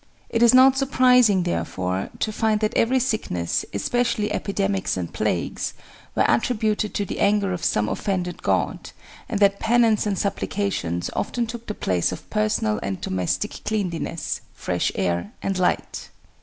It is not surprising, therefore, to find that every sickness, especially epidemics and plagues, were attributed to the anger of some offended god, and that penance and supplications often took the place of personal and domestic cleanliness, fresh air, and light.